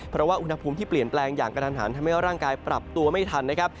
เพราะว่าอุณหภูมิที่เปลี่ยนแปลงอย่างกระทันหันทำให้ร่างกายปรับตัวไม่ทันนะครับ